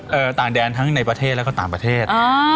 ต่างแดนทั้งในประเทศแล้วก็ต่างประเทศอ่า